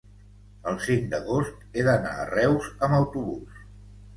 el cinc d'agost he d'anar a Reus amb autobús.